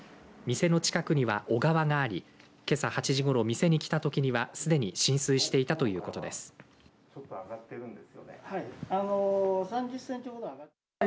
店の近くには、小川がありけさ８時ごろ、店に来たときにはすでに浸水していたということです。